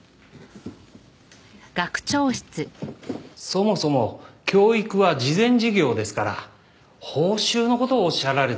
そもそも教育は慈善事業ですから報酬の事をおっしゃられても。